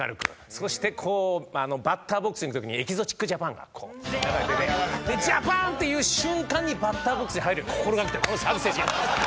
そしてこうバッターボックスに行く時に『エキゾチック・ジャパン』が流れてて「ジャパン」って言う瞬間にバッターボックスに入る心がけというこのサービス精神。